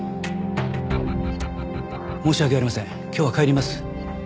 申し訳ありません今日は帰ります。